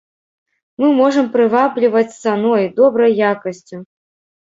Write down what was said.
Мы можам прывабліваць цаной, добрай якасцю!